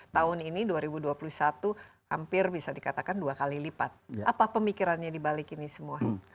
tahun ini dua ribu dua puluh satu hampir bisa dikatakan dua kali lipat apa pemikirannya dibalik ini semua